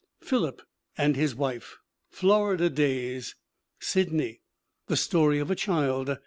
Philip and His Wife. Florida Days. Sidney. The Story of a Child.